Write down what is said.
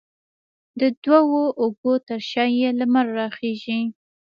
د دوو اوږو ترشا یې، لمر راخیژې